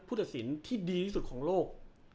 ตัดสินที่ดีที่สุดของโลก